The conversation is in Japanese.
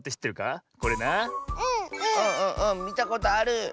みたことある！